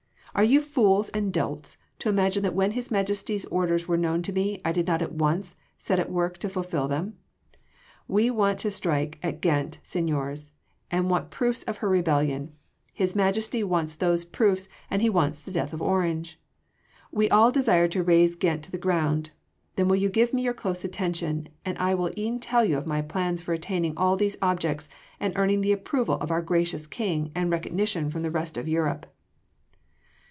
Are you fools and dolts to imagine that when His Majesty’s orders were known to me, I did not at once set to work to fulfil them? We want to strike at Ghent, seigniors, and want proofs of her rebellion His Majesty wants those proofs and he wants the death of Orange. We all desire to raze Ghent to the ground! Then will you give me your close attention, and I will e’en tell you my plans for attaining all these objects and earning the approval of our gracious King and recognition from the rest of Europe."